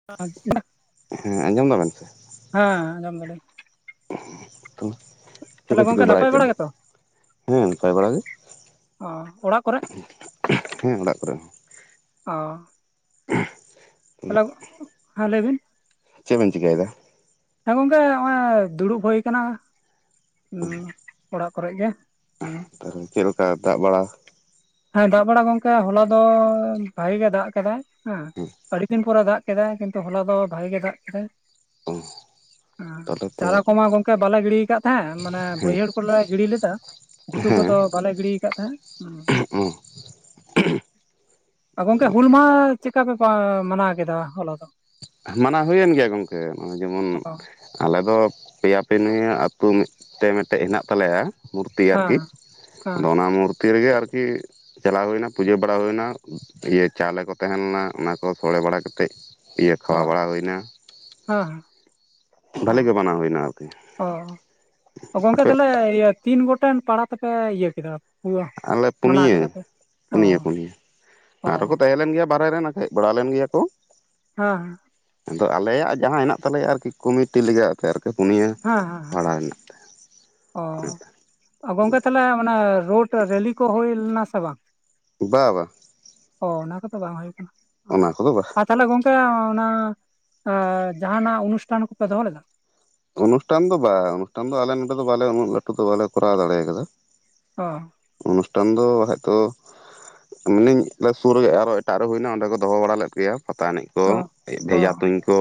[inaudible] ᱦᱮᱸ ᱟᱸᱡᱚᱢ ᱫᱟᱵᱮᱱ ᱥᱮ ᱦᱮᱸ ᱟᱸᱡᱚᱢ ᱫᱟᱲᱟᱹᱧ᱾ ᱛᱩ᱾ ᱛᱟᱦᱚᱞᱮ ᱜᱚᱝᱠᱮ ᱱᱟᱯᱟᱭ ᱵᱟᱲᱟ ᱜᱮ ᱛᱚ ᱦᱮᱸ ᱱᱟᱯᱟᱭ ᱵᱟᱲᱟ ᱜᱮ ᱚ ᱚᱲᱟᱜ ᱠᱚᱨᱮ ᱦᱮᱸ ᱚᱲᱟᱜ ᱠᱚᱨᱮ ᱦᱚᱸ ᱚ [inaudible] ᱦᱮᱞᱳ᱾ ᱦᱮᱸ ᱞᱟᱹᱭ ᱵᱤᱱ? ᱪᱮᱫ ᱮᱢ ᱪᱤᱠᱟᱹᱭ ᱫᱟ? ᱦᱮᱸ ᱜᱚᱝᱠᱮ ᱦᱚᱸ ᱚᱭ ᱫᱩᱲᱩᱵ ᱦᱳᱭ ᱠᱟᱱᱟ, ᱩᱸ᱾ ᱚᱲᱟᱜ ᱠᱚᱨᱮᱜ ᱜᱮ ᱦᱩᱸ᱾ [unintelligible] ᱪᱮᱞᱠᱟ ᱫᱟᱜ ᱵᱟᱲᱟ ᱦᱮᱸ ᱫᱟᱜ ᱵᱟᱲᱟ ᱜᱚᱢᱠᱮ ᱦᱚᱞᱟ ᱫᱚ ᱵᱷᱟᱜᱤ ᱜᱮ ᱫᱟᱜ ᱠᱮᱫᱟᱭ ᱦᱮᱸ ᱟᱹᱰᱤ ᱫᱤᱱ ᱯᱚᱨᱮ ᱫᱟᱜ ᱠᱮᱫᱟᱭ ᱠᱤᱱᱛᱩ ᱦᱚᱞᱟ ᱫᱚ ᱵᱷᱟᱜᱮ ᱜᱮ ᱫᱟᱜ ᱠᱮᱫᱟᱭ ᱚ ᱩᱸ ᱛᱟᱦᱚᱞᱮ ᱛᱚ ᱪᱟᱨᱟ ᱠᱚᱢᱟ ᱜᱚᱝᱠᱮ ᱠᱮ ᱵᱟᱞᱮ ᱜᱤᱲᱤ ᱟᱠᱟᱫ ᱛᱟᱦᱮᱸᱫ ᱢᱟᱱᱮ ᱦᱮᱸ ᱵᱟᱹᱭᱦᱟᱹᱲ ᱠᱚᱞᱮ ᱜᱤᱲᱤ ᱞᱮᱫᱟ ᱜᱷᱩᱴᱩ ᱠᱚᱫᱚ ᱦᱮᱸ ᱵᱟᱞᱮ ᱜᱤᱲᱤ ᱟᱠᱟᱫ ᱛᱟᱦᱮᱸᱫ ᱦᱩᱸ ᱟᱨ ᱜᱚᱝᱠᱮ ᱦᱩᱞ ᱢᱟᱦᱟᱸ ᱪᱮᱠᱟ ᱯᱮ ᱢᱟᱱᱟᱣ ᱠᱮᱫᱟ ᱦᱚᱞᱟ ᱫᱚ ᱢᱟᱱᱟᱣ ᱦᱩᱭᱮᱱ ᱜᱮᱭᱟ ᱜᱚᱝᱠᱮ ᱡᱮᱢᱚᱱ ᱚ ᱟᱞᱮ ᱫᱚ ᱯᱮᱭᱟ ᱯᱮ ᱱᱤᱭᱟᱹ ᱟᱹᱛᱩ ᱢᱤᱫᱴᱮᱱ ᱢᱤᱫᱴᱮᱱ ᱦᱮᱱᱟᱜ ᱛᱟᱞᱮᱭᱟ ᱢᱩᱨᱛᱤ ᱟᱨᱠᱤ ᱦᱮᱸ ᱦᱮᱸ ᱟᱫᱚ ᱚᱱᱟ ᱢᱩᱨᱛᱤ ᱨᱮᱜᱮ ᱟᱨᱠᱤ ᱪᱟᱞᱟᱣ ᱦᱩᱭᱱᱟ ᱯᱩᱡᱟᱹ ᱵᱟᱲᱟ ᱦᱩᱭ ᱱᱟ ᱤᱭᱟᱹ ᱪᱟᱣᱞᱮ ᱠᱚ ᱛᱟᱦᱮᱸ ᱞᱮᱱᱟ ᱚᱱᱟ ᱠᱚ ᱥᱳᱲᱮ ᱵᱟᱲᱟ ᱠᱟᱛᱮᱫ ᱤᱭᱟᱹ ᱠᱷᱟᱣᱟ ᱵᱟᱲᱟ ᱦᱩᱭᱱᱟ ᱦᱮᱸ ᱦᱮᱸ ᱚ ᱵᱷᱟᱞᱮ ᱜᱮ ᱢᱟᱱᱟᱣ ᱦᱩᱭᱱᱟ ᱟᱨᱠᱤ ᱚ ᱜᱚᱝᱠᱮ ᱟᱯᱮ ᱛᱟᱦᱚᱞᱮ ᱤᱭᱟᱹ ᱛᱤᱱ ᱜᱚᱴᱮᱱ ᱯᱟᱲᱟ ᱛᱮᱯᱮ ᱤᱭᱟᱹ ᱠᱮᱫᱟ ᱯᱩᱨᱟᱹ ᱟᱞᱮ ᱢᱟᱱᱟᱣ ᱠᱮᱫᱟ ᱯᱩᱱᱭᱟᱹ ᱯᱮ ᱚ ᱯᱩᱱᱭᱟᱹ ᱯᱩᱱᱭᱟᱹ ᱚ ᱟᱨᱦᱚᱸ ᱠᱚ ᱛᱟᱦᱮᱸ ᱞᱮᱱ ᱜᱮᱭᱟ ᱵᱟᱦᱮᱨᱮ ᱨᱮᱱ ᱟᱠᱷᱟᱡ ᱵᱟᱲᱟ ᱞᱮᱱ ᱜᱮᱭᱟ ᱠᱚ ᱦᱮᱸ ᱦᱮᱸ ᱟᱫᱚ ᱟᱞᱮᱭᱟᱜ ᱡᱟᱦᱟᱸ ᱦᱮᱱᱟᱜ ᱛᱟᱞᱮᱭᱟ ᱟᱨᱠᱤ ᱠᱚᱢᱤᱴᱤ [unintelligible] ᱯᱮ ᱟᱨᱠᱤ ᱯᱩᱱᱭᱟᱹ ᱦᱮᱸ ᱦᱮᱸ ᱦᱮᱸ ᱯᱟᱲᱟ ᱨᱮᱱᱟᱜ ᱚ ᱜᱚᱢᱠᱮ ᱛᱟᱦᱚᱞᱮ ᱚᱱᱮ ᱨᱳᱰ ᱨᱮᱞᱤ ᱠᱚ ᱦᱳᱭ ᱞᱮᱱᱟ ᱥᱮ ᱵᱟᱝ ᱵᱟ ᱵᱟ ᱚ ᱚᱱᱟ ᱠᱚᱫᱚ ᱵᱟᱝ ᱦᱩᱭ ᱠᱟᱱᱟ ᱚ ᱚᱱᱟ ᱠᱚᱫᱚ ᱵᱟᱦ ᱟᱨ ᱛᱟᱦᱚᱞᱮ ᱜᱚᱝᱠᱮ ᱚᱱᱟ ᱡᱟᱦᱟᱱᱟᱜ ᱮᱸ ᱚᱱᱩᱥᱴᱷᱟᱱ ᱠᱚᱯᱮ ᱫᱚᱦᱚ ᱞᱮᱫᱟ ᱚᱱᱩᱥᱴᱷᱟᱱ ᱫᱚ ᱵᱟᱝ ᱚᱱᱩᱥᱴᱷᱟᱱ ᱫᱚ ᱟᱞᱮ ᱱᱚᱰᱮ ᱫᱚ ᱵᱟᱞᱮ ᱩᱱᱟᱹᱜ ᱞᱟᱹᱴᱩ ᱫᱚ ᱵᱟᱞᱮ ᱠᱚᱨᱟᱣ ᱫᱟᱲᱮ ᱟᱠᱟᱫᱟ ᱚ ᱚᱱᱩᱥᱴᱷᱟᱱ ᱫᱚ ᱵᱟᱠᱷᱟᱡ ᱛᱚ [unintelligible] ᱥᱩᱨ ᱨᱮ ᱟᱨᱚ ᱮᱴᱟᱜ ᱨᱮ ᱦᱩᱭᱱᱟ ᱚᱸᱰᱮ ᱠᱚ ᱫᱚᱦᱚ ᱵᱟᱲᱟ ᱞᱮᱫ ᱜᱮᱭᱟ ᱯᱟᱛᱟ ᱮᱱᱮᱡ ᱠᱚ ᱚ ᱚ ᱵᱷᱮᱡᱟ ᱛᱩᱧ ᱠᱚ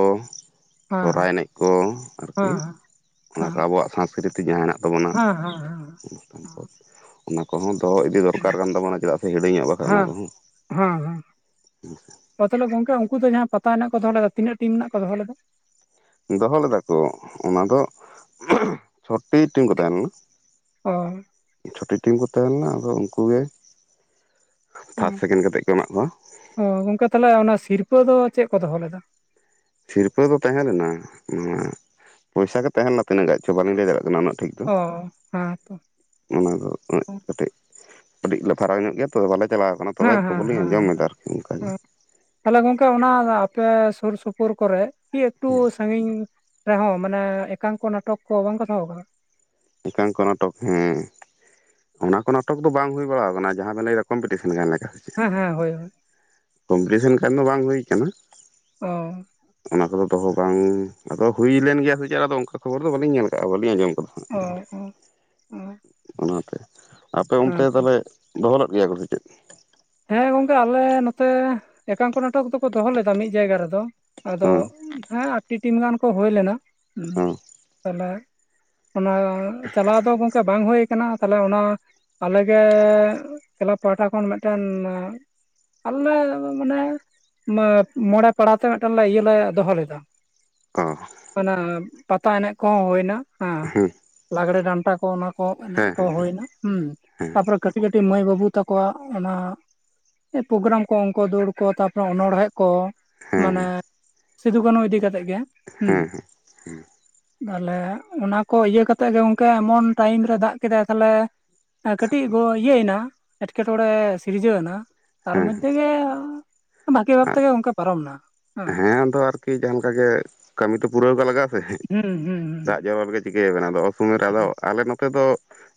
ᱦᱮᱸ ᱥᱚᱨᱦᱟᱭ ᱮᱱᱮᱡ ᱠᱚ ᱟᱨ ᱠᱤ ᱦᱮᱸ ᱦᱮᱸ ᱚᱱᱟ ᱦᱮᱸ ᱠᱚ ᱟᱵᱚᱣᱟᱜ ᱥᱟᱥᱠᱨᱤᱛᱤ ᱡᱟᱦᱟᱸ ᱢᱮᱱᱟᱜ ᱛᱟᱵᱚᱱᱟ ᱦᱮᱸ ᱚᱱᱩᱥᱴᱷᱟᱱ ᱠᱚ ᱚᱱᱟ ᱠᱚᱦᱚᱸ ᱫᱚᱦᱚ ᱤᱫᱤ ᱫᱚᱨᱠᱟᱨ ᱠᱟᱱ ᱛᱟᱵᱚᱱᱟ ᱪᱮᱫᱟᱜ ᱥᱮ ᱦᱤᱲᱤᱧᱚᱜ-ᱟ ᱵᱟᱠᱷᱟᱡ ᱚᱱᱟ ᱦᱮᱸ ᱠᱚᱦᱚᱸ ᱦᱮᱸ ᱥᱮ ᱟᱫᱚ ᱛᱟᱦᱚᱞᱮ ᱜᱚᱝᱠᱮ ᱩᱱᱠᱩ ᱫᱚ ᱡᱟᱦᱟᱸ ᱯᱟᱛᱟ ᱮᱱᱮᱡ ᱠᱚ ᱫᱚᱦᱚ ᱞᱮᱫᱟ ᱛᱤᱱᱟᱹᱜ ᱴᱤᱢ ᱨᱮᱱᱟᱜ ᱠᱚ ᱫᱚᱦᱚ ᱞᱮᱫᱟ? ᱫᱚᱦᱚ ᱞᱮᱫᱟ ᱠᱚ ᱚᱱᱟ ᱫᱚ ᱪᱷᱚᱴᱤ ᱴᱤᱢ ᱠᱚ ᱛᱟᱦᱮᱸ ᱞᱮᱱᱟ ᱚ ᱪᱷᱚᱴᱤ ᱴᱤᱢ ᱠᱚ ᱛᱟᱦᱮᱸ ᱞᱮᱱᱟ ᱟᱫᱚ ᱩᱱᱠᱩ ᱜᱮ ᱯᱷᱟᱥᱴ ᱥᱮᱠᱮᱱᱰ ᱠᱟᱛᱮᱜ ᱠᱚ ᱮᱢᱟᱜ ᱠᱚᱣᱟ ᱚ ᱜᱚᱝᱠᱮ ᱛᱟᱦᱚᱞᱮ ᱚᱱᱟ ᱥᱤᱨᱯᱟᱹ ᱫᱚ ᱪᱮᱫ ᱠᱚ ᱫᱚᱦᱚ ᱞᱮᱫᱟ? ᱥᱤᱨᱯᱟᱹ ᱫᱚ ᱛᱟᱦᱮᱸ ᱞᱮᱱᱟ ᱟᱸᱻ ᱯᱚᱭᱥᱟ ᱜᱮ ᱛᱟᱦᱮᱸ ᱞᱮᱱᱟ ᱛᱤᱱᱟᱹᱜ ᱜᱟᱱᱪᱚ ᱵᱟᱹᱞᱤᱧ ᱞᱟᱹᱭ ᱫᱟᱲᱮᱭᱟᱜ ᱠᱟᱱᱟ ᱩᱱᱟᱹᱜ ᱴᱷᱤᱠ ᱫᱚ ᱚ ᱦᱮᱸ ᱛᱚ ᱚᱱᱟ ᱫᱚ ᱠᱟᱹᱴᱤᱡ ᱠᱟᱹᱴᱤᱡ ᱞᱮ ᱯᱷᱟᱨᱟᱠ ᱧᱚᱜ ᱜᱮᱭᱟ ᱛᱚ ᱵᱟᱞᱮ ᱪᱟᱞᱟᱣ ᱟᱠᱟᱱᱟ ᱛᱚᱵᱮ ᱦᱮᱸ ᱦᱮᱸ ᱠᱷᱚᱵᱚᱨ ᱞᱤᱧ ᱟᱸᱡᱚᱢ ᱦᱮᱸ ᱮᱫᱟ ᱚᱱᱠᱟ ᱜᱮ ᱦᱮᱸ ᱛᱟᱦᱚᱞᱮ ᱜᱚᱝᱠᱮ ᱚᱱᱟ ᱟᱯᱮ ᱥᱩᱨ ᱥᱩᱯᱩᱨ ᱠᱚᱨᱮ ᱠᱤ ᱮᱠᱴᱩ ᱥᱟᱺᱜᱤᱧ ᱨᱮᱦᱚᱸ ᱢᱟᱱᱮ ᱮᱠᱟᱝᱠᱚ ᱱᱟᱴᱚᱠ ᱠᱚ ᱵᱟᱝ ᱠᱚ ᱫᱚᱦᱚ ᱠᱟᱫᱟ ᱚᱝᱠᱟᱱ ᱠᱚ ᱱᱟᱴᱚᱠ ᱦᱮᱸ ᱚᱱᱟ ᱠᱚ ᱱᱟᱴᱚᱠ ᱫᱚ ᱵᱟᱝ ᱦᱩᱭ ᱵᱟᱲᱟ ᱟᱠᱟᱱᱟ ᱡᱟᱦᱟᱸ ᱵᱮᱱ ᱞᱟᱹᱭᱫᱟ ᱠᱚᱢᱯᱤᱴᱤᱥᱮᱱ ᱞᱮᱠᱟ ᱪᱮᱫ ᱦᱮᱸ ᱦᱮᱸ ᱦᱳᱭ ᱦᱳᱭ ᱠᱚᱢᱯᱤᱴᱤᱥᱮᱱ ᱠᱷᱟᱱ ᱫᱚ ᱵᱟᱝ ᱦᱩᱭ ᱟᱠᱟᱱᱟ ᱚ ᱚᱱᱟ ᱠᱚᱫᱚ ᱫᱚᱦᱚ ᱵᱟᱝ ᱟᱫᱚ ᱦᱩᱭ ᱞᱮᱱ ᱜᱮᱭᱟ ᱥᱮ ᱪᱮᱫ ᱚᱱᱠᱟ ᱠᱷᱚᱵᱚᱨ ᱫᱚ ᱵᱟᱞᱤᱧ ᱧᱮᱞ ᱟᱠᱟᱫ-ᱟ ᱵᱟᱞᱤᱧ ᱟᱸᱚᱢ ᱟᱠᱟᱫᱟ ᱦᱟᱸᱜ ᱚ [inaudible] ᱚ ᱚ ᱚᱱᱟᱛᱮ ᱟᱯᱮ ᱚᱱᱛᱮ ᱦᱮᱸ ᱛᱚ ᱛᱚᱵᱮ ᱫᱚᱦᱚᱞ ᱜᱮᱭᱟ ᱠᱚ ᱥᱮ ᱪᱮᱫ ᱾ ᱦᱮᱸ ᱜᱚᱝᱠᱮ ᱟᱞᱮ ᱱᱚᱛᱮ ᱮᱠᱟᱝᱠᱚ ᱱᱟᱴᱚᱠ ᱫᱚᱠᱚ ᱫᱚᱦᱚ ᱞᱮᱫᱟ ᱢᱤᱫ ᱡᱟᱭᱜᱟ ᱨᱮᱫᱚ ᱾ ᱟᱫᱚ ᱦᱮᱸ ᱦᱮᱸ ᱟᱴ ᱴᱤ ᱴᱤᱢ ᱜᱟᱱ ᱠᱚ ᱦᱩᱭ ᱞᱮᱱᱟ ᱾ ᱚ ᱚ᱾ ᱛᱟᱦᱚᱞᱮ ᱚᱱᱟ ᱪᱟᱞᱟᱣ ᱫᱚ ᱜᱚᱝᱠᱮ ᱵᱟᱝ ᱦᱩᱭᱩ ᱟᱠᱟᱱᱟ ᱾ ᱠᱟᱱᱟ ᱛᱟᱦᱞᱮ ᱚᱱᱟ ᱟᱞᱮᱜᱮ ᱠᱞᱟᱵᱽ ᱯᱟᱦᱴᱟ ᱠᱷᱚᱱ ᱢᱮᱫᱴᱮᱱ ᱟᱞ ᱞᱮ ᱢᱟᱱᱮ ᱢᱚᱬᱮ ᱯᱟᱲᱟ ᱛᱮ ᱢᱤᱫᱴᱮᱱ ᱤᱭᱟᱹ ᱞᱮ ᱫᱚᱦᱚ ᱞᱮᱫᱟ ᱾ ᱚ ᱚᱱᱟ ᱯᱟᱛᱟ ᱮᱱᱮᱡ ᱠᱚᱦᱚᱸ ᱦᱩᱭᱱᱟ, ᱦᱮᱸ ᱞᱟᱜᱽᱬᱮ ᱰᱟᱱᱴᱟ ᱠᱚ ᱚᱱᱟ ᱠᱚ ᱾ ᱦᱳ ᱮᱱᱮᱡ ᱠᱚ ᱦᱮᱸ ᱦᱩᱭᱱᱟ ᱦᱟᱸ ᱦᱮᱸ ᱛᱟᱯᱚᱨᱮ ᱠᱟᱹᱴᱤᱡ ᱠᱟᱹᱴᱤᱡ ᱢᱟᱹᱭ ᱵᱟᱹᱵᱩ ᱛᱟᱠᱚᱣᱟᱜ ᱾ ᱚᱱᱟ ᱯᱨᱳᱜᱨᱟᱢ ᱠᱚ, ᱚᱝᱠᱚ ᱫᱟᱹᱲ ᱠᱚ, ᱛᱟᱯᱚᱨᱮ ᱚᱱᱚᱬᱦᱮᱸ ᱠᱚ ᱾ ᱢᱟᱱᱮ ᱦᱮᱸ ᱥᱤᱫᱩ ᱠᱟᱹᱱᱦᱩ ᱤᱫᱤ ᱠᱟᱛᱮᱫ ᱜᱮ ᱾ ᱦᱮᱸ ᱦᱮᱸ ᱦᱮᱸ ᱾ ᱛᱟᱦᱚᱞᱮ ᱚᱱᱟ ᱠᱚ ᱤᱭᱟᱹ ᱠᱟᱛᱮᱜ ᱜᱮ ᱚᱱᱠ ᱮᱢᱚᱱ ᱴᱟᱭᱤᱢ ᱨᱮ ᱫᱟᱜ ᱠᱮᱫᱟᱭ ᱛᱟᱦᱚᱞᱮ ᱾ ᱠᱟᱹᱴᱤᱡ ᱜᱚ ᱤᱭᱟᱹᱭᱱᱟ ᱮᱸᱴᱠᱮᱴᱚᱬᱮ ᱥᱤᱨᱡᱟᱹᱣ ᱮᱱᱟ ᱛᱟᱨ ᱦᱮᱸ ᱢᱚᱫᱽᱫᱷᱮ ᱜᱮ ᱾ ᱵᱷᱠᱤ ᱵᱷᱟᱵ ᱛᱮᱜᱮ ᱚᱱᱠᱟ ᱯᱟᱨᱚᱢ ᱮᱱᱟ ᱾ ᱦᱮᱸᱫᱚ ᱟᱨᱠᱤ ᱡᱟᱦᱟᱸ ᱞᱮᱠᱟ ᱜᱮ ᱠᱟᱹᱢᱤ ᱛᱚ ᱯᱩᱨᱟᱹᱣ ᱠᱟᱜ ᱞᱟᱜᱟᱜᱼᱟ, ᱦᱩᱸ ᱦᱩᱸ ᱫᱟ ᱦᱩᱸ ᱡᱮᱨᱚᱲ ᱜᱮ ᱪᱤᱠᱟᱹᱭᱟᱵᱮᱱ ᱟᱫᱚ ᱚᱥᱢᱚᱭ ᱨᱮ ᱟᱫᱚ ᱦᱩᱸ ᱟᱞᱮ ᱱᱚᱛᱮ ᱫᱚ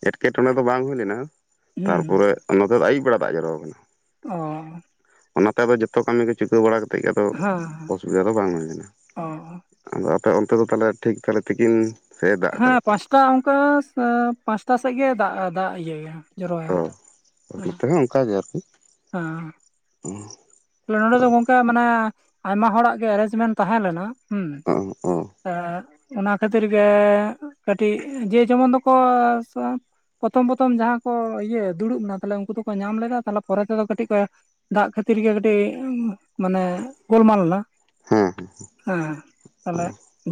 ᱮᱴᱠᱮᱴᱚᱬᱮ ᱫᱚ ᱵᱟᱝ ᱦᱩᱭ ᱞᱮᱱᱟ ᱾ ᱦᱩᱸ ᱦᱩᱸ᱾ ᱛᱟᱨᱯᱚᱨᱮ ᱱᱚᱛᱮ ᱫᱚ ᱟᱹᱭᱩᱵ ᱵᱮᱲᱟ ᱫᱟᱜ ᱡᱚᱨᱣᱟ ᱟᱠᱟᱱᱟ ᱾ ᱚ ᱚ ᱾ ᱚᱱᱟᱛᱮ ᱟᱫᱚ ᱡᱚᱛᱚ ᱠᱟᱹᱢᱤ ᱜᱮ ᱪᱤᱠᱟᱹᱣ ᱵᱟᱲᱟ ᱠᱟᱛᱮᱜ ᱜᱮ ᱟᱫᱚ ᱦᱮᱸ ᱦᱮᱸ ᱚᱥᱩᱵᱤᱫᱷᱟ ᱫᱚ ᱵᱟᱝ ᱦᱩᱭ ᱞᱮᱱᱟ ᱚ ᱾ ᱟᱫᱚ ᱟᱯᱮ ᱚᱱᱛᱮ ᱫᱚᱦᱚ ᱴᱷᱤᱠ ᱛᱟᱦᱮ ᱛᱤᱠᱤᱱ ᱾ ᱦᱮᱸ ᱯᱟᱸᱪᱴᱟ ᱚᱱᱠᱟ ᱯᱟᱸᱪᱴᱟ ᱥᱮᱫ ᱜᱮ ᱫᱟᱜ ᱫᱟᱜ ᱤᱭᱟᱹᱭᱟ ᱾ ᱚᱻ ᱱᱚᱛᱮ ᱚᱱᱠᱟᱜ ᱜᱮ ᱟᱨᱠᱤ ᱾ ᱦᱩᱸ ᱾ ᱱᱚᱰᱮ ᱫᱚ ᱜᱚᱝᱠᱮ ᱢᱟᱱᱮ ᱟᱭᱢᱟ ᱦᱚᱲᱟ ᱜᱮ ᱮᱨᱮᱧᱡᱢᱮᱱᱴ ᱛᱟᱦᱮᱸ ᱞᱮᱱᱟ ᱦᱮᱸ ᱾ ᱚ ᱚ ᱾ ᱚᱱᱟ ᱠᱷᱟᱹᱛᱤᱨ ᱜᱮ ᱠᱟᱹᱴᱤᱡ ᱡᱮ ᱡᱮᱢᱚᱱ ᱫᱚᱠᱚ ᱾ ᱯᱨᱚᱛᱷᱚᱢ ᱯᱚᱛᱷᱚᱢ ᱡᱟᱦᱟᱸ ᱠᱚ ᱤᱭᱟᱹ ᱫᱩᱲᱩᱵ ᱮᱱᱟ ᱛᱟᱦᱞᱮ ᱩᱱᱠᱩ ᱫᱚᱠᱚ ᱧᱟᱢ ᱞᱮᱫᱟ ᱛᱟᱦᱞᱮ ᱯᱚᱨᱮ ᱛᱮᱫᱚ ᱠᱟᱹᱴᱤᱡ ᱠᱚ ᱫᱟᱜ ᱠᱷᱟᱹᱛᱤᱨ ᱜᱮ ᱠᱟᱹᱴᱤᱡ ᱢᱟᱱᱮ ᱜᱚᱞᱢᱟᱞ ᱱᱟ ᱦᱮᱸ ᱾ ᱦᱮᱸ ᱛᱟᱦᱚᱞᱮ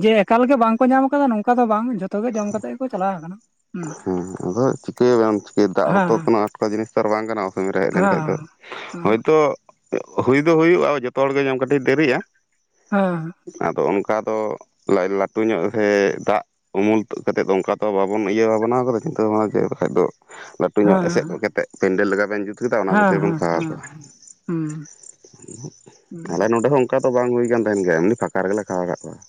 ᱡᱮ ᱮᱠᱟᱞᱜᱮ ᱵᱟᱝᱠᱚ ᱧᱟᱢ ᱟᱠᱟᱫᱟ ᱱᱚᱝᱠᱟ ᱫᱚ ᱵᱟᱝ ᱡᱷᱚᱛᱚ ᱜᱮ ᱡᱚᱢ ᱠᱟᱛᱮ ᱜᱮᱠᱚ ᱪᱟᱞᱟᱣ ᱟᱠᱟᱱᱟ ᱾ ᱦᱩᱸ ᱾ ᱦᱮᱸ ᱟᱫᱚ ᱪᱤᱠᱟᱹᱭᱟᱵᱱ ᱪᱤᱭᱟ ᱫᱟᱜ ᱦᱮᱸ ᱦᱚᱸᱠᱳᱱᱚ ᱟᱴᱠ ᱡᱤᱱᱤᱥ ᱛᱚ ᱵᱟᱝ ᱠᱟᱱᱟ ᱚᱥᱚᱢᱚᱭ ᱨᱮ ᱦᱮᱡ ᱦᱮᱸ ᱞᱮᱱᱠᱷᱟᱱᱡ ᱫᱚ ᱾ ᱦᱮᱸ ᱦᱳᱭᱛᱚ ᱦᱩᱭ ᱫᱚ ᱦᱩᱭᱩᱜᱼᱟ ᱡᱚᱛᱚ ᱦᱚᱲᱜᱮ ᱠᱟᱹᱴᱤᱡ ᱫᱮᱨᱤᱜᱼᱟ ᱾ ᱦᱮᱸ ᱾ ᱟᱫᱚ ᱚᱱᱠᱟ ᱫᱚ ᱞᱟ ᱞᱟᱹᱴᱩ ᱧᱚᱜ ᱥᱮ ᱫᱟᱜ ᱾ ᱩᱢᱩᱞ ᱛᱩᱜ ᱠᱟᱛᱮᱜ ᱫᱚ ᱚᱱᱠᱟ ᱛᱚ ᱵᱟᱵᱚᱱ ᱤᱭᱟᱹᱵᱷᱟᱰᱚᱱᱟᱣ ᱠᱟᱫᱟ ᱪᱤᱱᱟᱹ ᱵᱷᱟᱱᱟ ᱡ ᱵᱟᱠᱷᱟ ᱫᱚ ᱾ ᱞᱟᱹᱴᱩ ᱧᱚᱜ ᱮᱥᱮᱫ ᱠᱚ ᱦᱮᱸ ᱠᱟᱛᱮᱮᱫ ᱯᱮᱱᱰᱮᱞ ᱞᱟᱜᱟ ᱵᱮᱱ ᱡᱩᱛ᱾ ᱛᱩ ᱠᱮᱫᱟ ᱚᱱᱟ ᱦᱮᱸ ᱵᱷᱤᱛᱤᱨ ᱵᱚᱱ ᱠᱷᱟᱣᱟᱣ ᱦᱮᱸ ᱠᱚᱣᱟ ᱦᱩᱸ ᱛᱟᱦᱞᱮ ᱱᱚᱰᱮ ᱦᱚᱸ ᱾ ᱚᱱᱠᱟ ᱛᱚ ᱵᱟᱝ ᱦᱩᱭ ᱠᱟᱱᱟ ᱜᱮᱭᱟ ᱮᱢᱱᱤ ᱯᱷᱟᱠᱟ ᱨᱮ ᱜᱮ ᱠᱷᱟᱣᱟ ᱠᱟ ᱠᱚᱣᱟ ᱾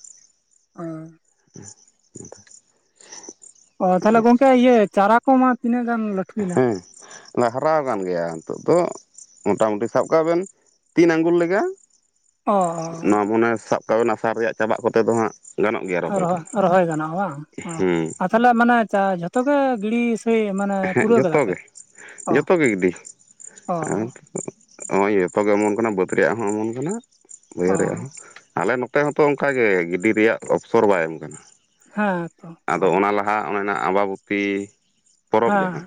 ᱚ [unintelligible] ᱚ ᱛᱟᱦᱚᱞᱮ ᱜᱚᱝᱠᱮ ᱤᱭᱟᱹ ᱪᱟᱨᱟ ᱠᱚᱢᱟ ᱛᱤᱱᱟᱹᱜ ᱜᱟᱱ ᱞᱟᱹᱴᱷᱩᱭᱮᱱᱟ ᱚᱱᱟ ᱦᱟᱨᱟ ᱟᱠᱟᱱ ᱜᱮᱭᱟ ᱱᱤᱛᱚᱜ ᱫᱚ ᱢᱚᱴᱟ ᱢᱩᱴᱤ ᱥᱟᱵ ᱠᱟᱜ ᱵᱤᱱ ᱛᱤᱱ ᱟᱜᱩᱞ ᱞᱮᱠᱟ᱾ ᱚ ᱱᱚᱣᱟ ᱢᱚᱱᱮ ᱥᱟᱵ ᱠᱟᱜ ᱵᱮᱱ ᱟᱥᱟᱨ ᱨᱮᱭᱟᱜ ᱪᱟᱵᱟᱜ ᱠᱚᱛᱮ ᱫᱚ ᱦᱟᱸᱜ ᱾ ᱨᱚᱦ ᱨᱚᱦᱚᱭ ᱜᱟᱱᱚᱜᱼᱟ ᱵᱟᱝ ᱦᱩᱸ ᱟᱨ ᱛᱟᱦᱚᱞᱮ ᱢᱟᱱᱮ ᱡᱷᱚᱛᱚ ᱜᱮ ᱜᱤᱲᱤ? ᱥᱮᱭ ᱢᱟᱱᱮ ᱦᱮᱸ ᱯᱩᱨᱟᱣ ᱠᱟᱫᱟ ᱡᱚᱛᱚ ᱯᱮ ᱜᱮ ᱚ ᱚ ᱾ ᱦᱚᱸᱜᱼᱚᱭ ᱡᱚᱛᱚᱜᱮ ᱮᱢᱚᱱ ᱠᱟᱱᱟ ᱵᱟᱹᱫᱽ ᱨᱮᱭᱟᱜ ᱦᱚᱸ ᱮᱢᱚᱱ ᱠᱟᱱᱟ ᱵᱟᱹᱭᱦᱟᱹᱲ ᱚ ᱨᱮᱭᱟᱜ ᱦᱚᱸ ᱟᱞᱮ ᱱᱚᱝ ᱱᱚᱛᱮ ᱦᱚᱸᱛᱚ ᱚᱱᱠᱟᱜ ᱜᱮ ᱜᱤᱰᱤ ᱨᱮᱭᱟᱜ ᱚᱯᱥᱚᱨ ᱵᱟᱭ ᱮᱢ ᱟᱠᱟᱱᱟ ᱦᱮᱸ ᱛᱚ ᱚ ᱟᱫᱚ ᱚᱱᱟ ᱞᱟᱦᱟ ᱟ ᱚᱱᱟ ᱨᱮᱱᱟᱜ ᱟᱸᱵᱟᱵᱩᱛᱤ ᱾ ᱯᱚᱨᱚᱵᱽ ᱦᱮᱸ ᱡᱟᱦᱟᱸ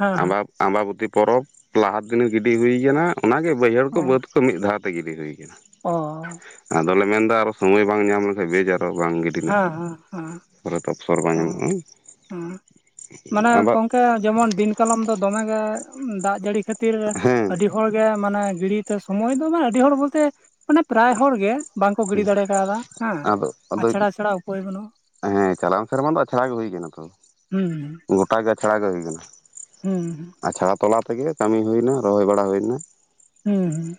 ᱦᱮᱸ ᱟᱵᱟ ᱟᱢᱵᱟᱵᱚᱛᱤ ᱯᱚᱨᱚᱵᱽ ᱞᱟᱦᱟ ᱫᱤᱱᱮ ᱜᱤᱰᱤ ᱦᱩᱭ ᱠᱟᱱᱟ ᱚᱱᱟᱜᱮ ᱵᱟᱹᱭᱦᱟᱹᱲ ᱠᱚ ᱵᱟᱹᱫᱽ ᱠᱚ ᱢᱤᱫ ᱫᱷᱟᱣ ᱛᱮ ᱜᱤᱫᱤ ᱦᱩᱭ ᱟᱠᱟᱱᱟ ᱚ ᱚ ᱟᱫᱚ ᱾ ᱟᱫᱚ ᱞᱮ ᱢᱮᱱ ᱮᱫᱟ ᱟᱨᱚ ᱥᱚᱢᱚᱭ ᱵᱟᱝ ᱧᱟᱢ ᱞᱮᱱᱠᱷᱟᱱ ᱵᱮᱡ ᱟᱨᱚ ᱵᱟᱝ ᱜᱚᱜᱼᱟ ᱾ ᱫᱤᱱᱟᱹᱜ ᱦᱮᱸ ᱦᱮᱸ ᱦᱮᱸ ᱵᱟᱝ ᱚ ᱧᱟᱢᱚᱜᱼᱟ᱾ ᱦᱮᱸ ᱢᱟᱱᱮ ᱟᱵᱟᱨ ᱜᱚᱝᱠᱮ ᱡᱮᱢᱚᱱ ᱫᱤᱱ ᱠᱟᱞᱚᱢ ᱫᱚ ᱫᱚᱢᱮ ᱜᱮ ᱫᱟᱜ ᱡᱟᱹᱲᱤ ᱠᱷᱟᱹᱛᱤᱨ [unintelligible] ᱦᱮᱸ ᱟᱹᱰᱤ ᱦᱚᱲ ᱜᱮ ᱢᱟᱱᱮ ᱜᱤᱲᱤ ᱛᱮ ᱥᱚᱢᱚᱭ ᱫᱚ ᱵᱟᱸᱻᱟ ᱢᱟᱱᱮ ᱟᱹᱰᱤ ᱦᱚᱲ ᱵᱚᱞᱛᱮ ᱢᱟᱱᱮ ᱯᱟᱨᱟᱭ ᱦᱚᱲ ᱜᱮ ᱵᱟᱝ ᱠᱚ ᱜᱤᱲᱤ ᱫᱟᱲᱮ ᱠᱟᱣᱫᱟ ᱦᱮᱸ ᱟᱫᱚ ᱟᱫᱚ ᱟᱪᱷᱟᱲᱟ ᱪᱷᱟᱲᱟ ᱩᱯᱟᱹᱭ ᱵᱟᱹᱱᱩᱜᱼᱟ᱾ ᱦᱮᱸ ᱪᱟᱞᱟᱣ ᱥᱮᱨᱢᱟ ᱫᱚ ᱟᱪᱷᱟᱲᱟ ᱜᱮ ᱦᱩᱭ ᱠᱟᱱᱟ ᱛᱚ ᱦᱩᱸ ᱜᱚᱴᱟ ᱜᱮ ᱟᱪᱷᱟᱲᱟ ᱜᱮ ᱦᱩᱭ ᱠᱟᱱᱟ᱾ ᱦᱩ ᱟᱪᱷᱟᱲᱟ ᱛᱚᱞᱟ ᱛᱮ ᱜᱮ ᱠᱟᱹᱢᱤ ᱦᱩᱭ-ᱱᱟ ᱨᱚᱦᱚᱭ ᱵᱟᱲᱟ ᱦᱩᱭ-ᱱᱟ᱾ ᱦᱩᱸ ᱦᱩᱸ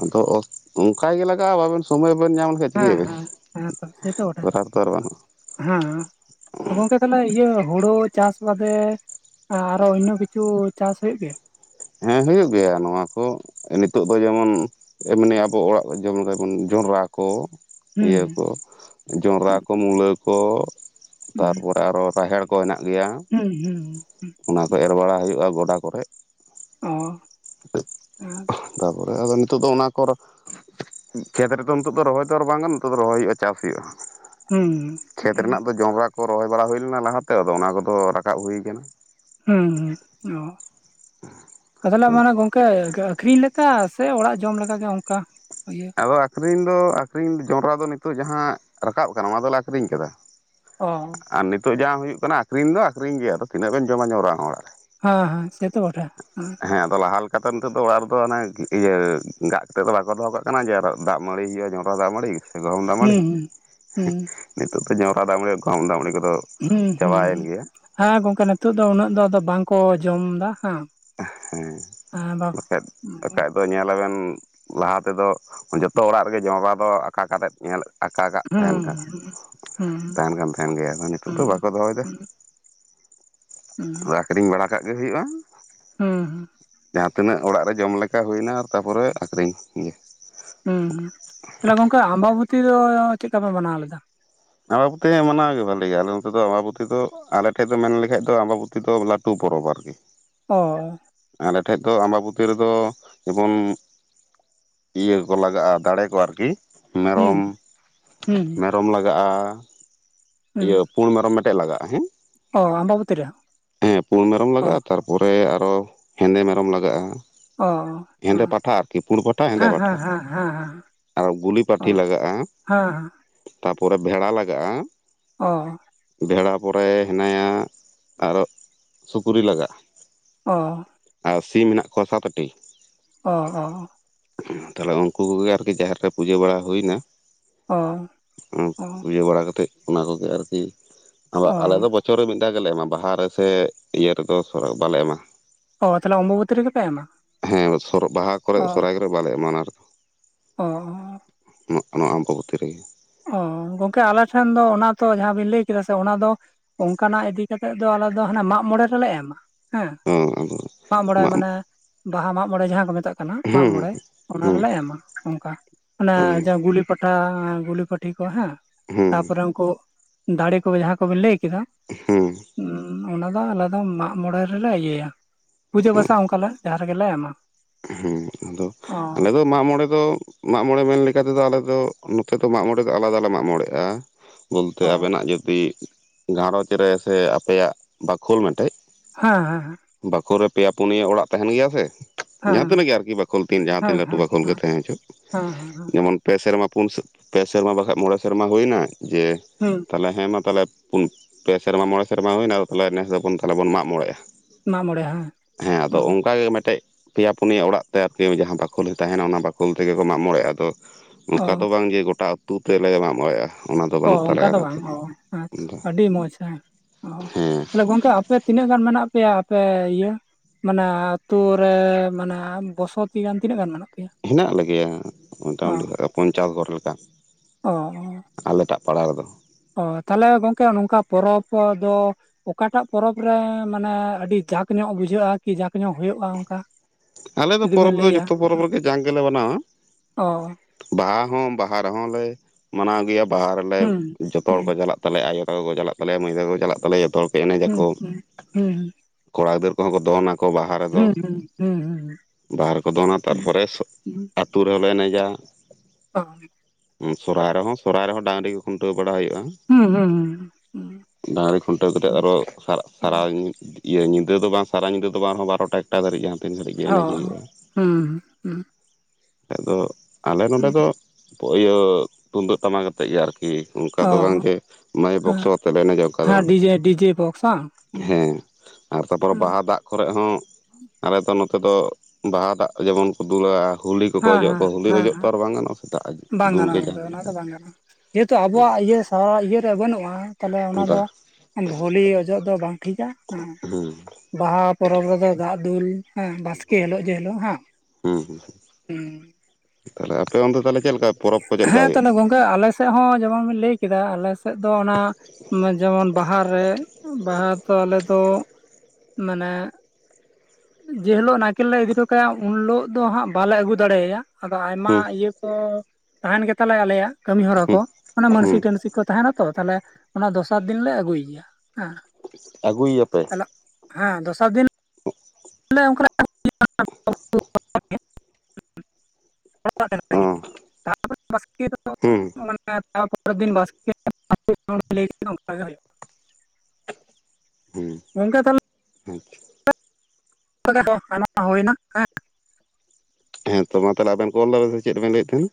ᱟᱫᱚ ᱚᱱᱠᱟ ᱜᱮ ᱞᱟᱜᱟᱜᱼᱟ ᱡᱮᱢᱚᱱ ᱥᱳᱢᱚᱭ ᱵᱮᱱ ᱧᱟᱢ ᱦᱮᱸ ᱞᱮᱠᱷᱟᱱ ᱦᱮᱸ ᱦᱮᱸ ᱛᱚ ᱥᱮᱛᱚ ᱵᱚᱴᱷᱮ [unintelligible] ᱠᱚᱨᱟᱨ ᱛᱚ ᱟᱨ ᱵᱟᱱᱩᱜ-ᱟ᱾ ᱦᱮᱸ ᱜᱚᱝᱠᱮ ᱛᱟᱦᱞᱮ ᱤᱭᱟᱹ ᱦᱳᱲᱳ ᱪᱟᱹᱥ ᱵᱟ ᱫᱮ ᱟᱨ ᱳᱱᱳ ᱠᱤ ᱪᱷᱩ ᱪᱟᱹᱥ ᱦᱳᱭᱳᱜ ᱜᱮᱭᱟ? ᱦᱮᱸ ᱦᱳᱭᱳᱜ ᱜᱮᱭᱟ ᱱᱚᱣᱟ ᱠᱚ ᱱᱤᱛᱳᱜ ᱫᱚ ᱡᱮ ᱢᱚᱱ ᱮᱢᱱᱤ ᱟᱵᱚ ᱚᱲᱟᱜ ᱠᱚᱛᱮ ᱡᱮᱢᱚᱱ ᱡᱚᱱᱰᱨᱟ ᱠᱚ ᱦᱩᱸ ᱤᱭᱟᱹ ᱠᱚ ᱡᱚᱱᱰᱨᱟ ᱠᱚ ᱢᱩᱞᱟᱹ ᱠᱚ᱾ ᱦᱩᱸ ᱛᱟᱨ ᱯᱚᱨᱮ ᱟᱨ ᱦᱚᱸ ᱨᱟᱦᱮᱲ ᱠᱚ ᱦᱮᱱᱟᱜ ᱜᱮᱭᱟ᱾ ᱦᱩᱸ ᱦᱩᱸ ᱚᱱᱟ ᱠᱚ ᱮᱨ ᱵᱟᱲᱟ ᱦᱳᱭᱳᱜᱼᱟ, ᱜᱚᱰᱟ ᱠᱚ ᱨᱮᱡᱽ ᱚ ᱛᱟᱯᱚᱨᱮ ᱟᱫᱚ ᱱᱤᱛᱚᱜ ᱫᱚ ᱚᱱᱟ ᱠᱟᱨᱮ ᱠᱷᱮᱛ ᱨᱮ ᱛᱚ ᱱᱤᱛᱚᱜ ᱫᱚ ᱨᱚᱦᱚᱭ ᱛᱚ ᱵᱟᱝ ᱜᱟᱱᱚᱜ-ᱟ ᱱᱤᱛ ᱫᱚ ᱨᱚᱦᱚᱭ ᱦᱳᱭᱳᱜᱼᱟ ᱪᱟᱹᱥ ᱦᱳᱭᱳᱜᱼᱟ᱾ ᱦᱩᱸ ᱠᱷᱮᱛ ᱦᱩᱸ ᱨᱮᱱᱟᱜ ᱫᱚ ᱡᱚᱸᱱᱲᱟ ᱠᱚ ᱨᱚᱦᱚᱭ ᱵᱟᱲᱟ ᱦᱩᱭ ᱞᱮᱱᱟ ᱞᱟᱦᱟ ᱛᱮ ᱟᱫᱚ ᱚᱱᱟ ᱠᱚ ᱫᱚ ᱨᱟᱠᱟᱵ ᱦᱩᱭ ᱠᱟᱱᱟ᱾ ᱦᱮᱸ ᱚ ᱢᱟᱱᱮ ᱜᱚᱝᱠᱮ ᱟᱠᱷᱨᱤᱧ ᱞᱮᱫ ᱞᱮᱠᱟ ᱥᱮ ᱚᱲᱟᱜ ᱡᱚᱢ ᱞᱮᱠᱟᱜ ᱜᱮ ᱚᱱᱠᱟ ᱤᱭᱟᱹ? ᱟᱫᱚ ᱟᱠᱷᱨᱤᱧ ᱫᱚ ᱟᱠᱷᱨᱤᱧ ᱡᱚᱸᱱᱰᱨᱟ ᱫᱚ ᱱᱤᱛᱚᱜ ᱡᱟᱦᱟᱸ ᱨᱟᱠᱟᱵ ᱟᱠᱟᱱᱟ ᱚᱱᱟ ᱫᱚ ᱞᱮ ᱟᱠᱷᱨᱤᱧ ᱟᱠᱟᱫᱟ᱾ ᱚ ᱟᱨ ᱱᱤᱛᱚᱜ ᱡᱟᱦᱟᱸ ᱦᱩᱭᱩᱜ ᱠᱟᱱᱟ ᱟᱠᱷᱨᱤᱧ ᱫᱚ ᱟᱠᱷᱨᱤᱧ ᱜᱮ ᱟᱫᱚ ᱛᱤᱱᱟᱹᱜ ᱵᱤᱱ ᱡᱚᱢᱟ ᱚᱲᱟᱜ ᱨᱮ᱾ ᱦᱮᱸ ᱦᱮᱸ ᱥᱮ ᱛᱚ ᱵᱚᱴᱷᱮ ᱦᱮᱸ ᱟᱫᱚ ᱞᱟᱦᱟ ᱞᱮᱠᱟ ᱛᱚ ᱱᱤᱛᱚᱜ ᱫᱚ ᱚᱲᱟᱜ ᱨᱮ ᱫᱚ ᱟᱱᱮ ᱤᱭᱟᱹ ᱜᱟᱜ ᱠᱟᱛᱮ ᱫᱚ ᱵᱟ ᱠᱚ ᱫᱚᱦᱚ ᱠᱟᱜ᱾ [unintelligible] [unintelligible] ᱫᱟᱜ ᱢᱟᱹᱲᱤ ᱦᱩᱭᱩᱜᱼᱟ ᱡᱚᱱᱰᱨᱟ ᱫᱟᱜ ᱢᱟᱹᱲᱤ ᱥᱮ ᱜᱩᱦᱩᱢ ᱫᱟᱜ ᱢᱟᱹᱲᱤ ᱦᱩᱸ ᱦᱩᱸ ᱱᱤᱛᱚᱜ ᱫᱚ ᱡᱚᱸᱱᱰᱨᱟ ᱫᱟᱜ ᱢᱟᱹᱲᱤ ᱜᱚᱢ ᱫᱟᱜ ᱢᱟᱹᱲᱤ ᱠᱚ ᱫᱚ᱾ ᱦᱩᱸ ᱦᱩᱸ ᱦᱩᱸ ᱟ ᱜᱚᱝᱠᱮ ᱱᱤᱛᱚᱜ ᱫᱚ ᱩᱱᱟᱹᱜ ᱫᱚ ᱟᱫᱚ ᱵᱟᱝ ᱠᱚ ᱡᱚᱢ ᱮᱫᱟ ᱾ ᱦᱮᱸ ᱦᱩᱸ ᱵᱟᱠᱷᱟᱡ [unintelligible] [unintelligible] ᱛᱚ ᱧᱮᱞ ᱟᱵᱮᱱ ᱞᱟᱦᱟ ᱛᱮᱫᱚ ᱡᱚᱛᱚ ᱚᱲᱟᱜ ᱨᱮᱜᱮ ᱡᱚᱸᱱᱨᱟ ᱫᱚ ᱟᱸᱠᱟ ᱠᱟᱛᱮᱫ ᱧᱮᱞ ᱟᱸᱠᱟ ᱜ ᱛᱟᱦᱮᱱ ᱠᱟᱱᱟ ᱦᱩᱸ ᱦᱩᱸ ᱛᱟᱦᱮᱸᱱ ᱠᱟᱱ [unintelligible] ᱜᱮᱭᱟ ᱠᱚ ᱱᱤᱛᱳᱜ ᱫᱚ ᱦᱩᱸ ᱵᱟ ᱠᱚ ᱫᱚᱦᱚᱭ ᱮᱫᱟ᱾ ᱦᱩᱸ ᱟᱠᱷᱨᱤᱧ ᱵᱟᱲᱟ ᱠᱟᱜ ᱜᱮ ᱦᱩᱭᱩᱜᱼᱟ᱾ ᱦᱩᱸ ᱡᱟᱦᱟᱸ ᱛᱤᱱᱟᱹᱜ ᱚᱲᱟᱜ ᱨᱮ ᱡᱚᱢ ᱞᱮᱠᱟ ᱦᱩᱭᱱᱟ ᱛᱟᱯᱚ ᱨᱮ ᱟᱠᱷᱨᱤᱧ ᱜᱮ᱾ ᱛᱟᱦᱞᱮ ᱜᱚᱝᱠᱮ ᱟᱵᱟ ᱵᱩᱛᱤ ᱫᱚ ᱪᱮᱫ ᱞᱮᱠᱟ ᱯᱮ ᱢᱟᱱᱟᱣ ᱞᱮᱫᱟ᱾ ᱟᱵᱟᱵᱩᱛᱤ ᱢᱟᱱᱟᱣ ᱜᱮ ᱵᱷᱟᱞᱮ ᱜᱮ ᱟᱞᱮ ᱱᱚᱛᱮ ᱫᱚ ᱟᱵᱟᱵᱩᱛᱤ ᱫᱚ ᱟᱞᱮ ᱴᱷᱮᱡ ᱫᱚ ᱢᱮᱱ ᱞᱮᱠᱷᱟᱡ ᱫᱚ ᱟᱵᱟᱵᱟᱹᱛᱤ ᱫᱚ ᱞᱟᱹᱴᱩ ᱯᱚᱨᱚᱵᱽ ᱟᱨᱴᱤ᱾ ᱜᱮ ᱚ ᱟᱞᱮ ᱴᱷᱮᱫ ᱫᱚ ᱟᱵᱟᱵᱚᱛᱤ ᱨᱮ ᱫᱚ ᱡᱮᱢᱚᱱ ᱤᱭᱟᱹ ᱠᱚ ᱞᱟᱜᱟᱜᱼᱟ ᱫᱟᱲᱮ ᱠᱚ ᱟᱨ ᱠᱤ ᱦᱩᱸ ᱢᱮᱨᱚᱢ ᱦᱩᱸ ᱢᱮᱨᱚᱢ ᱞᱟᱜᱟᱜᱼᱟ, ᱦᱩᱸ ᱤᱭᱟᱹ ᱯᱩᱲ ᱢᱮᱨᱚᱢ ᱢᱤᱫ ᱴᱮᱡ ᱞᱟᱜᱟᱜᱼᱟᱭ ᱦᱮᱸ ᱚ ᱟᱢᱵᱟᱵᱚᱛᱤ ᱨᱮ ᱦᱮᱸ ᱯᱩᱲ ᱢᱮᱨᱚᱢ ᱚ ᱞᱟᱜᱟᱜᱼᱟ, ᱛᱟᱨᱯᱚᱨ ᱯᱚᱨᱮ ᱟᱨ ᱚ ᱦᱮᱸᱫᱮ ᱢᱮᱨᱚᱢ ᱞᱟᱜᱟᱜᱼᱟ, ᱚ ᱦᱮᱸᱫᱮ ᱦᱮᱸ ᱯᱟᱴᱷᱟ ᱟᱨ ᱠᱤ ᱯᱩᱲ ᱯᱟᱴᱷᱟ, ᱦᱮᱸᱫᱮ ᱦᱮᱸ ᱯᱟᱴᱷᱟ ᱦᱮᱸ ᱦᱮᱸ ᱦᱮᱸ ᱜᱩᱞᱤ ᱚ ᱯᱟᱹᱴᱷᱤ ᱞᱟᱜᱟᱜᱼᱟ ᱦᱮᱸ ᱛᱟᱯᱚ ᱨᱮ ᱵᱷᱮᱲᱟ ᱞᱟᱜᱟᱜᱼᱟ᱾ ᱚ ᱵᱷᱮᱲᱟ ᱯᱚᱨᱮ ᱦᱮᱱᱟᱭ-ᱟ ᱟᱨ ᱚ ᱥᱩᱠᱨᱤ ᱞᱟᱜᱟᱜᱼᱟ᱾ ᱚ ᱟᱨ ᱥᱤᱢ ᱢᱮᱱᱟᱜ ᱠᱚᱣᱟ ᱥᱟᱛ ᱟᱴᱤ ᱚ ᱚ ᱛᱟᱦᱞᱮ ᱩᱱᱠᱩ ᱠᱚᱜᱮ ᱟᱨᱠᱤ ᱡᱟᱦᱮᱨ ᱨᱮ ᱯᱩᱡᱟᱹ ᱵᱟᱲᱟ ᱦᱩᱭ ᱮᱱᱟ ᱚ ᱩᱸ ᱚ ᱯᱩᱡᱟᱹ ᱵᱟᱲᱟ ᱠᱟᱛᱮᱫ ᱚᱱᱟ ᱠᱚᱜᱮ ᱟᱨᱠᱤ ᱟ ᱚ ᱟᱞᱮ ᱫᱚ ᱪᱚᱨ ᱨᱮ ᱢᱤᱫ ᱫᱷᱟᱣ ᱜᱮᱞᱮ ᱮᱢᱟ ᱵᱟᱦᱟ ᱨᱮᱥᱮ ᱤᱭᱟᱹ ᱨᱮᱫᱚ ᱥᱚᱨᱚᱲᱚᱠ ᱵᱟᱞᱮ ᱮᱢᱟ ᱚ ᱛᱟᱦᱚᱞᱮ ᱚᱢᱵᱚᱵᱚᱛᱤ ᱨᱮᱜᱮ ᱯᱮ ᱮᱢᱟ ᱦᱮᱸ ᱥᱚᱨᱚᱜ ᱵᱟᱦᱟ ᱠᱚᱨᱮ ᱚ ᱥᱚᱨᱦᱟᱭ ᱠᱚᱨᱮ ᱵᱟᱞᱮ ᱮᱢᱟᱱᱟ ᱟᱨ ᱚ ᱱᱚᱣᱟ ᱟᱢ ᱵᱟᱵᱚᱛᱤ ᱨᱮᱜᱮ ᱚ ᱜᱚᱝᱠᱮ ᱟᱞᱮ ᱴᱷᱮᱱ ᱫᱚ ᱚᱱᱟ ᱛᱚ ᱡᱟᱦᱟᱸ ᱵᱤᱱ ᱞᱟᱹᱭ ᱠᱮᱫᱟ ᱥᱮ ᱚᱱᱟ ᱫᱚ ᱚᱱᱠᱟᱱᱟᱜ ᱤᱫᱤ ᱠᱟᱛᱮᱫ ᱫᱚ ᱟᱞᱮ ᱫᱚ ᱦᱟᱱᱮ ᱢᱟᱜ ᱢᱚᱬᱮ ᱨᱮᱞᱮ ᱮᱢᱟ ᱦᱮᱸ ᱦᱚᱸ ᱟᱫᱚ ᱢᱟᱜ ᱢᱚᱬᱮ ᱢᱟᱱᱮ ᱵᱟᱦᱟ ᱢᱟᱜᱢᱚᱬᱮ ᱡᱟᱦᱟᱸ ᱠᱚ ᱢᱮᱛᱟᱜ ᱠᱟᱱᱟ ᱢᱟᱜ ᱦᱩᱸ ᱢᱚᱬᱮ ᱚᱱᱟ ᱦᱩᱸ ᱨᱮᱞᱮ ᱮᱢᱟ ᱚᱱᱠᱟ ᱚᱱᱮ ᱡᱮ ᱦᱩᱸ ᱜᱩᱞᱤ ᱯᱟᱴᱷᱟ ᱜᱩᱞᱤ ᱯᱟᱹᱴᱷᱤ ᱠᱚ ᱦᱮᱸ ᱛᱟᱯᱚᱨᱮ ᱩᱱᱠᱩ ᱫᱟᱲᱮ ᱠᱚ ᱡᱟᱦᱟᱸ ᱠᱚᱵᱤᱱ ᱞᱟᱹᱭ ᱠᱮᱫᱟ ᱦᱮᱸ ᱚᱱᱟ ᱫᱚ ᱟᱞᱮ ᱫᱚ ᱢᱟᱜ ᱢᱚᱬᱮ ᱨᱮᱞᱮ ᱤᱭᱟᱹᱭᱟ ᱯᱩᱡᱟᱹ ᱯᱟᱥᱟ ᱚᱱᱠᱟᱞᱮ ᱡᱟᱦᱟᱸ ᱨᱮᱜᱮ ᱮᱢᱟ ᱦᱮᱸ ᱟᱫᱚ ᱚ ᱟᱞᱮᱫᱚ ᱢᱟᱜᱢᱚᱬᱮ ᱫᱚ ᱢᱟᱜ ᱢᱚᱬᱮ ᱢᱮᱱ ᱞᱮᱠᱟᱛᱮᱫᱚ ᱟᱞᱮᱫᱚ ᱱᱚᱛᱮ ᱫᱚ ᱢᱟᱜ ᱢᱚᱬᱮ ᱫᱚ ᱟᱞᱟᱫᱟ ᱞᱮ ᱢᱟᱜ ᱢᱚᱬᱮᱜᱼᱟ ᱵᱚᱞᱛᱮ ᱚ ᱟᱵᱮᱱᱟᱜ ᱡᱩᱫᱤ ᱜᱷᱟᱨᱚᱸᱡᱽ ᱨᱮ ᱥᱮ ᱟᱯᱮᱭᱟᱜ ᱵᱟᱠᱷᱳᱞ ᱢᱮᱴᱮᱡ ᱦᱮᱸ ᱦᱮᱸᱮᱸ ᱵᱟ. ᱠᱩ ᱨᱮ ᱯᱮᱭᱟ ᱯᱩᱱᱭᱟᱹ ᱚᱲᱟᱜ ᱛᱟᱦᱮᱱ ᱜᱮᱭᱟ ᱥᱮ ᱡᱟᱦᱟᱸ ᱦᱮᱸ ᱛᱤᱱᱟᱹᱜ ᱜᱮ ᱟᱨᱠᱤ ᱵᱟᱠᱷᱳᱞ ᱫᱤᱱ ᱡᱟᱦᱟᱸ ᱛᱤᱱ ᱦᱮᱸ ᱞᱟᱹᱴᱩ ᱦᱮᱸ ᱵᱟᱠᱷᱳᱞ ᱜᱮ ᱦᱮᱸ ᱛᱟᱦᱮᱸ ᱦᱚᱪᱚᱜ ᱦᱮᱸ ᱦᱮᱸ ᱦᱮᱸ ᱡᱮᱢᱚᱱ ᱯᱮ ᱥᱮᱨᱢᱟ ᱯᱩᱱ ᱥᱮ ᱯᱮ ᱥᱮᱨᱢᱟ ᱵᱟᱝᱠᱷᱟᱡ ᱢᱚᱬᱮ ᱥᱮᱨᱢᱟ ᱦᱩᱭ ᱮᱱᱟ ᱡᱮ ᱦᱩᱸ ᱛᱟᱦᱚᱞᱮ ᱦᱮᱸ ᱢᱟ ᱛᱟᱦᱚᱞᱮ ᱯᱩᱱ ᱯᱮ ᱥᱮᱨᱢᱟ ᱢᱚᱬᱮ ᱥᱮᱨᱢᱟ ᱦᱩᱭ ᱮᱱᱟ ᱟᱫᱚ ᱱᱮᱥ ᱫᱚ ᱛᱟᱦᱚᱞᱮ ᱵᱚᱱ ᱢᱟᱜ ᱢᱚᱬᱮᱜ-ᱟ ᱢᱟᱜ ᱢᱚᱬᱮ ᱦᱟᱸ ᱦᱮᱸ ᱟᱫᱚ ᱚᱱᱠᱟ ᱜᱮ ᱢᱤᱫᱴᱮᱫ ᱯᱮᱭᱟ ᱯᱩᱱᱭᱟ ᱚᱲᱟᱜ ᱛᱮ ᱟᱨᱠᱤ ᱡᱟᱦᱟᱸ ᱵᱟᱠᱷᱳ ᱛᱟᱦᱮᱱᱟ ᱚᱱᱟ ᱵᱟᱠᱷᱳ ᱛᱮᱜᱮ ᱠᱚ ᱢᱟᱜ ᱢᱚᱬᱮᱜᱼᱟ ᱟᱫᱚ ᱚ ᱝᱠᱟ ᱫᱚ ᱵᱟᱝᱜᱮ ᱜᱚᱴᱟ ᱟ. ᱛᱩ ᱛᱮᱞᱮ ᱢᱟᱜ ᱢᱚᱬᱮᱼᱟ ᱚ ᱚᱱᱠᱟ ᱫᱚ ᱵᱟᱝ ᱚ ᱦᱮᱸ ᱛᱚ ᱫᱚ ᱟᱹᱰᱤ ᱢᱚᱸᱡᱽ ᱦᱮᱸ ᱚ ᱦᱮᱸ ᱛᱟᱦᱮ ᱜᱚᱝᱠᱮ ᱟᱯᱮ ᱛᱤᱱᱟᱹᱜ ᱜᱟᱱ ᱢᱮᱱᱟᱜ ᱯᱮᱭᱟ ᱟᱯᱮ ᱤᱭᱟᱹ ᱢᱟᱱᱮ ᱟᱛᱩᱨ ᱨᱮ ᱢᱟᱱᱮ ᱵᱚᱥᱚᱛᱤ ᱜᱟᱱ ᱛᱤᱱᱟᱹᱜ ᱜᱟᱱ ᱢᱮᱱᱟᱜ ᱯᱮᱭᱟ ᱦᱮᱱᱟᱜ ᱞᱮᱜᱮᱭᱟ ᱚ ᱢᱳᱴᱟᱢᱩᱴᱤ ᱯᱚᱧᱪᱟᱥ ᱜᱚᱲ ᱞᱮᱠᱟ ᱚ ᱟᱞᱮᱴᱟᱜ ᱯᱟᱲᱟ ᱨᱮᱫᱚ ᱚ ᱛᱟᱦᱚᱞᱮ ᱜᱚᱝᱠᱮ ᱱᱚᱝᱠᱟ ᱯᱚᱨᱚᱵᱽ ᱫᱚ ᱚᱠᱟᱴᱟᱜ ᱯᱚᱨᱚᱵᱽ ᱨᱮ ᱢᱟᱱᱮ ᱟᱹᱰᱤ ᱡᱟᱠ ᱧᱚᱜ ᱵᱩᱡᱷᱟᱹᱜᱼᱟ ᱠᱤ ᱡᱟᱠ ᱧᱚᱜ ᱦᱩᱭᱩᱜᱼᱟ ᱚᱱᱠᱟ ᱟᱞᱮ ᱫᱚ ᱡᱩᱫᱤ ᱵᱮᱱ ᱯᱚᱨᱚᱵᱽ ᱫᱚ ᱞᱟᱹᱭᱟ ᱡᱚᱛᱚ ᱯᱚᱨᱚᱵᱽ ᱨᱮᱜᱮ ᱡᱟᱝ ᱜᱮᱞᱮ ᱢᱟᱱᱟᱣᱟ ᱚ ᱵᱟᱦᱟ ᱦᱚᱸ ᱵᱟᱦᱟ ᱨᱮᱦᱚᱸ ᱞᱮ ᱢᱟᱱᱟᱣ ᱜᱮᱭᱟ ᱵᱟᱦᱟ ᱨᱮᱞᱮ ᱦᱩᱸ ᱡᱚᱛᱚ ᱦᱚᱲ ᱦᱩᱸ ᱠᱚ ᱪᱟᱞᱟᱜ ᱟᱞᱮ ᱟᱭᱳ ᱛᱟᱠᱚ ᱠᱚ ᱪᱟᱞᱟᱜ ᱛᱟᱞᱮᱭᱟ ᱢᱟᱹᱭ ᱛᱟᱠᱚ ᱪᱟᱞᱟᱜ ᱛᱟᱞᱮᱭᱟ ᱡᱚᱛᱚ ᱦᱚᱲ ᱠᱚ ᱮᱱᱮᱡ ᱦᱩᱸ ᱟᱠᱚ ᱦᱩᱸ ᱦᱩᱸ ᱦᱩᱸ ᱠᱚᱲᱟ ᱜᱤᱫᱟᱹᱨ ᱠᱚᱦᱚᱸ ᱫᱚᱱᱟ ᱦᱩᱸ ᱦᱩᱸ ᱦᱩᱸ ᱦᱩᱸ ᱦᱸ ᱵᱟᱨ ᱨᱮ ᱠᱚ ᱫᱚᱱᱟ ᱛᱟᱨᱯᱚᱨᱮ ᱟᱹᱛᱩ ᱨᱮᱦᱚᱸᱞᱮ ᱮᱱᱮᱡᱟ ᱚ [unintelligible] ᱥᱚᱨᱚᱨᱟᱭ ᱨᱮᱦᱚᱸ ᱥᱚᱨᱦᱟᱭ ᱨᱮᱦᱚᱸ ᱰᱟᱝᱨᱤ ᱠᱚ ᱠᱷᱩᱱᱴᱟᱹᱣ ᱵᱟᱲᱟ ᱦᱩᱭᱩᱜᱼᱟ ᱦᱩᱸ ᱦᱩᱸ ᱦᱩᱸ ᱰᱟᱝᱨᱤ ᱠᱷᱩᱱᱴᱟᱹᱣ ᱠᱟᱛᱮᱜ ᱟᱨᱚ ᱥᱟᱨ- ᱥᱟᱨᱟᱣᱧ ᱤᱭᱟᱹ ᱧᱤᱫᱟᱹ ᱫᱚ ᱵᱟᱝ ᱥᱟᱨᱟ ᱧᱤᱫᱟᱹ ᱫᱚ ᱵᱟᱝ ᱦᱚᱸ ᱵᱟᱨᱚᱴᱟ ᱴᱟᱜ ᱴᱟ ᱫᱷᱟ. ᱨᱤᱜ ᱥᱮᱱ ᱠᱟᱛᱮ ᱜᱮ ᱮᱱᱮᱡ ᱜᱮ ᱦᱩᱭᱩᱜᱼᱟ ᱟᱫᱚ ᱟᱞᱮ ᱱᱚᱰᱮ ᱫᱚ ᱤᱭᱟᱹ ᱛᱩᱢᱫᱟᱹᱜ ᱴᱟᱢᱟᱠ ᱟᱛᱮᱫ ᱜᱮ ᱟᱨᱠᱤ ᱚᱝᱠᱟ ᱫᱚ ᱵᱟᱝ ᱜᱮ ᱡᱮ ᱢᱟᱭ ᱵᱚᱠᱥᱚ ᱟᱛᱮᱫ ᱞᱮ ᱮᱱᱮᱡᱟ ᱚᱝᱠᱟ ᱫᱚ ᱵᱟᱝ, ᱰᱤᱡᱮ ᱰᱤᱡᱮ ᱵᱚᱠᱥ ᱵᱟᱝ? ᱦᱩᱸ, ᱦᱮᱸ ᱟᱨ ᱛᱟᱯᱚᱨ ᱦᱩᱸ, ᱵᱟᱦᱟ ᱫᱟᱜ ᱠᱚᱨᱮᱜ ᱦᱚᱸ ᱟᱞᱮ ᱫᱚ ᱱᱚᱛᱮ ᱫᱚ ᱵᱟᱦᱟ ᱫᱟᱜ ᱡᱮᱢᱚᱱ ᱠᱚ ᱫᱩᱞᱟ ᱦᱳᱞᱤ ᱠᱚᱠᱚ ᱦᱮᱸ, ᱚᱡᱚᱜ ᱦᱮᱸ, ᱟᱠᱣᱟ ᱦᱳᱞᱤ ᱦᱮᱸ, ᱚᱡᱚᱜ ᱦᱮᱸ, ᱛᱚ ᱵᱟᱝ ᱜᱟᱱᱚᱜᱼᱟ ᱥᱮᱛᱟᱜ ᱵᱟᱝ ᱜᱟᱱᱚᱜᱼᱟ ᱠᱤᱱᱛᱩ ᱚᱱᱟ ᱫᱚ ᱵᱟᱝ ᱜᱟᱱᱚᱜᱼᱟ ᱡᱮᱦᱮᱛᱩ ᱟᱵᱚᱣᱟᱜ ᱤᱭᱟᱹ ᱥᱮᱣᱨᱟ ᱤᱭᱟᱹᱨᱮ ᱵᱟᱹᱱᱩᱜᱼᱟ ᱛᱟᱦᱞᱮ ᱚᱱᱟ ᱫᱚ ᱵᱟᱝ ᱵᱷᱩᱞᱤ ᱚᱡᱚᱜ ᱫᱚ ᱵᱟᱝ ᱴᱷᱤᱠᱟ ᱦᱮᱸ ᱦᱩᱸ ᱵᱟᱦᱟ ᱯᱚᱨᱚᱵᱽ ᱨᱮᱫᱚ ᱫᱟᱜ ᱫᱩᱞ ᱦᱮᱸ ᱵᱟᱥᱠᱮ ᱦᱤᱞᱳᱜ ᱡᱮ ᱦᱤᱞᱳᱜ ᱦᱮᱸ ᱦᱩᱸ ᱦᱩᱸ ᱦᱩᱸ ᱛᱟᱦᱞᱮ ᱟᱯᱮ ᱚᱱᱛᱮ ᱛᱟᱦᱞᱮ ᱪᱮᱫ ᱞᱮᱠᱟ ᱯᱚᱨᱚᱵᱽ ᱠᱚ ᱪᱮᱫ ᱞᱮᱠᱟ ᱦᱮᱸ ᱦᱩᱭᱩᱜᱼᱟ ᱛᱟᱦᱞᱮ ᱜᱚᱝᱠᱮ ᱟᱞᱮ ᱥᱮᱫ ᱦᱚᱸ ᱡᱮᱢᱚᱱ ᱵᱮᱱ ᱞᱟᱹᱭ ᱠᱮᱫᱟ ᱟᱞᱮ ᱥᱮᱫ ᱫᱚ ᱚᱱᱟ ᱡᱮᱢᱚᱱ ᱵᱟ ᱦᱟᱨ ᱵᱟᱦᱟ ᱛᱚ ᱟᱞᱮᱫᱚ ᱢᱟᱱᱮ ᱡᱮ ᱦᱤᱞᱳᱜ ᱱᱟᱭᱠᱮᱞ ᱞᱮ ᱤᱫᱤ ᱦᱚᱴᱚ ᱠᱟᱭᱟ ᱩᱱ ᱦᱤᱞᱳᱜ ᱫᱚ ᱦᱟᱸᱜ ᱵᱟᱞᱮ ᱟᱹᱜᱩ ᱫᱟᱲᱮᱣᱟᱭᱟ ᱟᱫᱚ ᱟᱭᱢᱟ ᱦᱩᱸ ᱤᱭᱟᱹ ᱠᱚ ᱛᱟᱦᱮᱱ ᱜᱮᱛᱟᱞᱮ ᱟᱞᱮᱭᱟᱜ ᱠᱟᱹᱢᱤ ᱦᱚᱨᱟ ᱦᱩᱸ ᱠᱚ ᱚᱱᱟᱮ ᱦᱩᱸ ᱢᱟᱹᱱᱥᱤ ᱴᱟᱹᱱᱥᱤ ᱠᱚ ᱛᱟᱦᱮᱱᱟ ᱛᱚ ᱛᱟᱦᱞᱮ ᱚᱱᱟ ᱫᱚᱥᱟᱨ ᱫᱤᱱ ᱞᱮ ᱟᱹᱜᱩᱭᱮᱭᱟ ᱦᱮᱸ ᱟᱹᱜᱩᱭᱮᱭᱟᱯᱮ ᱮᱱᱚᱜ ᱦᱮᱸ ᱫᱚᱥᱟᱨ ᱫᱤᱱ [inaudible] ᱞᱮ ᱚᱱᱠᱟᱱᱟᱜ [unintelligible] ᱚ [unintelligible] ᱦᱩᱸ ᱢᱟᱱᱮ ᱛᱟᱯᱚᱨᱮᱨ ᱫᱤᱱ ᱵᱟᱥᱠᱮ [unintelligible] ᱚᱱᱠᱟ ᱜᱮ ᱦᱩᱭᱩᱜᱼᱟ ᱦᱩᱸ ᱜᱚᱝᱠᱮ ᱛᱟᱦᱞᱮ ᱦᱩᱸ ᱚᱸᱰᱮ ᱟᱭᱢᱟ ᱦᱩᱭᱱᱟ, ᱦᱮᱸ ᱦᱮᱸ ᱛᱚ ᱢᱟ ᱛᱟᱦᱮ ᱟᱵᱮᱱ ᱠᱚᱞ ᱫᱟᱵᱮᱱ ᱥᱮ ᱪᱮᱫ ᱵᱮᱱ ᱞᱮᱫ ᱛᱟᱦᱮᱱ